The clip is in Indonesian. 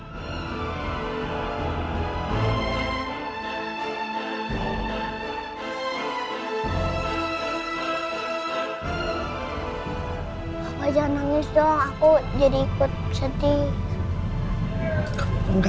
sampai jumpa di video selanjutnya